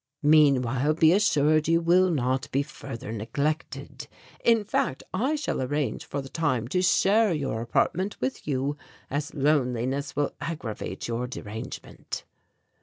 Meanwhile be assured you will not be further neglected. In fact, I shall arrange for the time to share your apartment with you, as loneliness will aggravate your derangement."